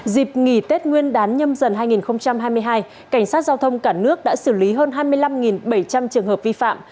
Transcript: dịp nghỉ tết nguyên đán nhâm dần hai nghìn hai mươi hai cảnh sát giao thông cả nước đã xử lý hơn hai mươi năm bảy trăm linh trường hợp vi phạm